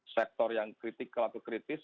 sektor yang kritik kelaku kritis